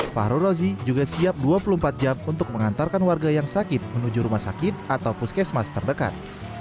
fahru rozi juga siap dua puluh empat jam untuk mengantarkan warga yang sakit menuju rumah sakit atau puskesmas terdekat